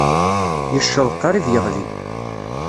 Yecceḍ qrib yeɣli.